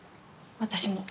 私も。